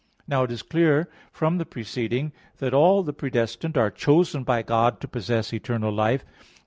Now it is clear from the preceding (Q. 23, A. 4) that all the predestined are chosen by God to possess eternal life.